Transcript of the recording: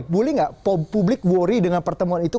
boleh nggak publik worry dengan pertemuan itu